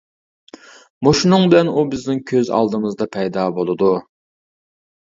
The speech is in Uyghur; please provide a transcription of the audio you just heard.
مۇشۇنىڭ بىلەن ئۇ بىزنىڭ كۆز ئالدىمىزدا پەيدا بولىدۇ.